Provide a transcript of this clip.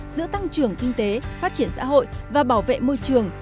giữa tăng trưởng kinh tế phát triển xã hội và bảo vệ môi trường